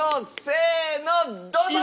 せーのどうぞ！